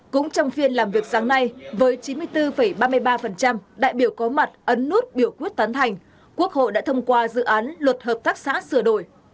cũng trong phiên làm việc sáng nay với chín mươi bốn ba mươi ba đại biểu có mặt ấn nút biểu quyết tán thành quốc hội đã thông qua dự án luật hợp tác xã sửa đổi